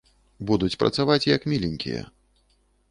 Будуць працаваць як міленькія.